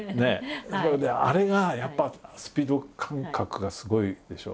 あれがやっぱスピード感覚がすごいでしょ？